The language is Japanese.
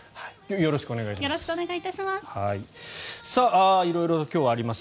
よろしくお願いします。